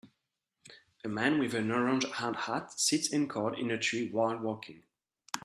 A man with an orange hard hat sits anchored in a tree while working.